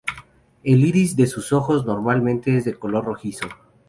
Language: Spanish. El iris de sus ojos normalmente es de color rojizo.